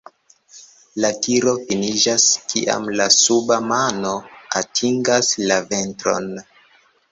La tiro finiĝas kiam la suba mano atingas la ventron.